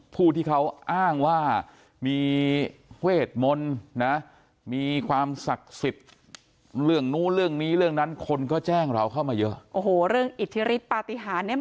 ผู้ที่เขาอ้างว่ามีเวทมนตร์นะมีความศักดิ์สิทธิ์